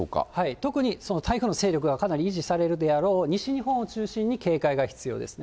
特に台風の勢力がかなり維持されるであろう西日本を中心に警戒が必要ですね。